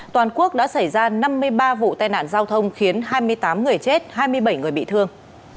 toàn quốc đã xảy ra năm mươi ba vụ tai nạn giao thông khiến hai mươi tám người chết hai mươi bảy người bị thương